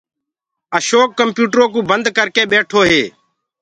اشوڪ ڪمپيوٽرو بنٚد ڪر ڪي ٻيٺو هي